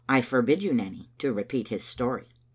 " I forbid you, Nanny, to repeat his story."